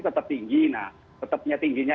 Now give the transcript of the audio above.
tetap tinggi nah tetapnya tingginya